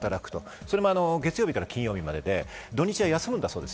それも月曜日から金曜日までで土日は休むんだそうです。